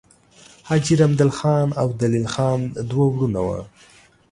حاجي رحمدل خان او دلیل خان دوه وړونه وه.